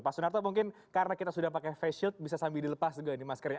pak sunarto mungkin karena kita sudah pakai face shield bisa sambil dilepas juga ini maskernya